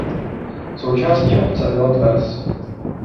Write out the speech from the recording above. Součástí obce byla tvrz.